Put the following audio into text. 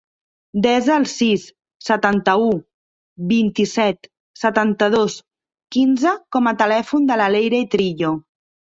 Desa el sis, setanta-u, vint-i-set, setanta-dos, quinze com a telèfon de la Leire Trillo.